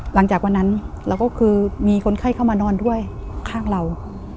หลังจากวันนั้นเราก็คือมีคนไข้เข้ามานอนด้วยข้างเรา